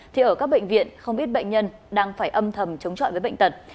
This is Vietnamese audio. thì ở các bệnh viện không ít bệnh nhân đang phải âm thầm chống chọi với bệnh tật